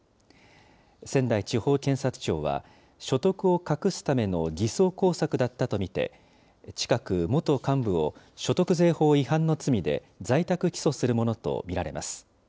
仙台地方検察庁は、所得を隠すための偽装工作だったと見て、近く、元幹部を所得税法違反の罪で在宅起訴するものと見られます。